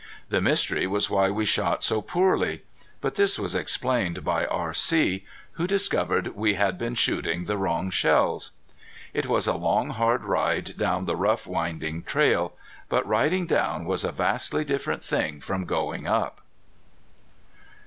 The mystery was why we shot so poorly. But this was explained by R.C., who discovered we had been shooting the wrong shells. It was a long hard ride down the rough winding trail. But riding down was a vastly different thing from going up.